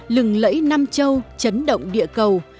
lừng lẫy nam châu chấn động địa cầu